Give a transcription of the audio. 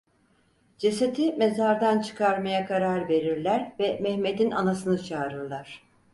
Cesedi mezardan çıkarmaya karar verirler ve Mehmet'in anasını çağırırlar.